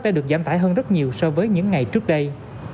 đã được giảm tải hơn rất nhiều so với những ngày trước đây